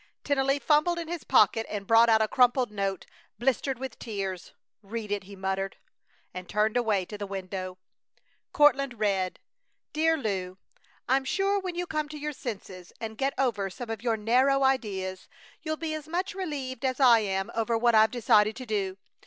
Tennelly fumbled in his pocket and brought out a crumpled note, blistered with tears. "Read it!" he muttered, and turned away to the window. Courtland read: DEAR LEW, I'm sure when you come to your senses and get over some of your narrow ideas you'll be as much relieved as I am over what I've decided to do.